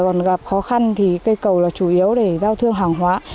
còn gặp khó khăn thì cây cầu là chủ yếu để giao thương hàng hóa